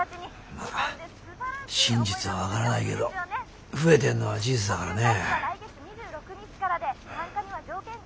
まあ真実は分からないけど増えてんのは事実だからね。